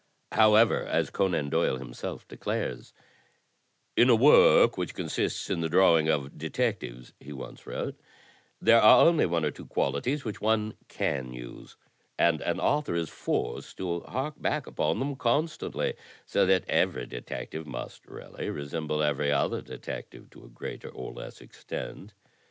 However, as Conan Doyle himself declares: In a work which consists in the drawing of detectives," he once wrote, "there are only one or two qualities which one can use, and an author is forced to hark back upon them constantly, so that every detective must really resemble every other detective to a greater or less extent.